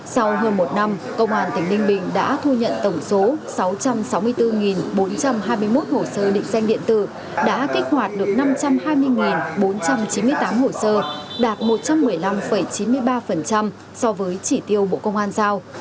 sau hơn một năm công an tỉnh ninh bình đã thu nhận tổng số sáu trăm sáu mươi bốn bốn trăm hai mươi một hồ sơ định danh điện tử đã kích hoạt được năm trăm hai mươi bốn trăm chín mươi tám hồ sơ đạt một trăm một mươi năm chín mươi ba so với chỉ tiêu bộ công an giao